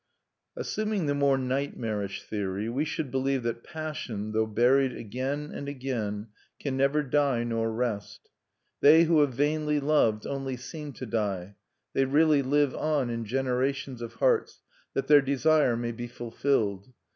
Assuming the more nightmarish theory, we should believe that passion, though buried again and again, can neither die nor rest. They who have vainly loved only seem to die; they really live on in generations of hearts, that their desire may be fulfilled.